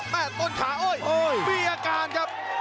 ต้นขาโอ้ยมีอาการครับ